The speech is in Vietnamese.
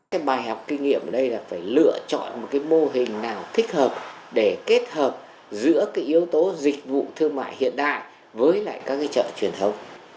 cái bài học kinh nghiệm ở đây là phải lựa chọn một cái mô hình nào thích hợp để kết hợp giữa cái yếu tố dịch vụ thương mại hiện đại với lại các cái chợ truyền thống